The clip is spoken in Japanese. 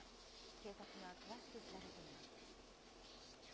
警察が詳しく調べています。